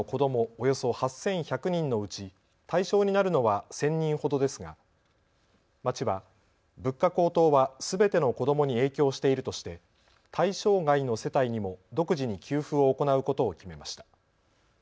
およそ８１００人のうち対象になるのは１０００人ほどですが町は物価高騰はすべての子どもに影響しているとして対象外の世帯にも独自に給付を行うことを決めました。